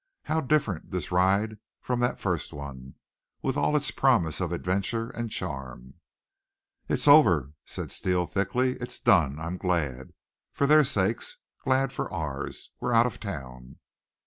How different this ride from that first one, with all its promise of adventure and charm! "It's over!" said Steele thickly. "It's done! I'm glad, for their sakes glad for ours. We're out of town."